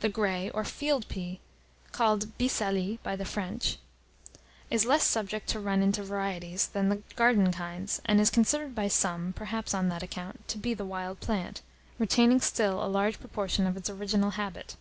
The gray, or field pea, called bisallie by the French, is less subject to run into varieties than the garden kinds, and is considered by some, perhaps on that account, to be the wild plant, retaining still a large proportion of its original habit.